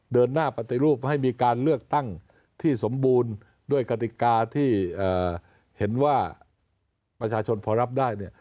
เดินหน้าปฏิรูปให้มีการเลือกตั้งที่สมบูรณ์ด้วยกติกาที่เห็นว่าประชาชนพอรับได้เนี่ย